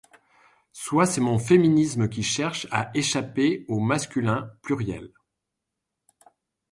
Soit c’est mon féminisme qui cherche à échapper au masculin pluriel…